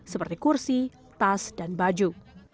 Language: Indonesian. seperti kursi tas dan baju